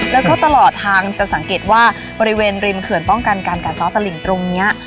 แล้วก็ตลอดทางจะสังเกตว่าบริเวณริมเขื่อนป้องกันการกัดซ้อตลิ่งตรงนี้